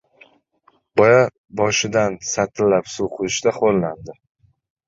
Boya boshidan satillab suv quyishda ho‘llandi.